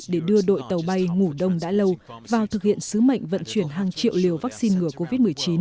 để đưa đội tàu bay ngủ đông đã lâu vào thực hiện sứ mệnh vận chuyển hàng triệu liều vaccine ngừa covid một mươi chín